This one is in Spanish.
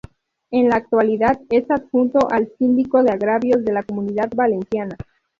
En la actualidad es adjunto al Síndico de Agravios de la Comunidad Valenciana.